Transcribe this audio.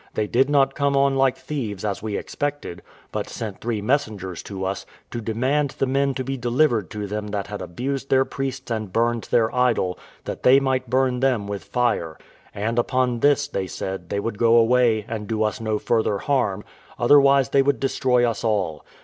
They did not come on like thieves, as we expected, but sent three messengers to us, to demand the men to be delivered to them that had abused their priests and burned their idol, that they might burn them with fire; and upon this, they said, they would go away, and do us no further harm, otherwise they would destroy us all.